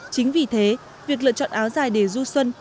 chính vì thế việc lựa chọn áo dài để du xuân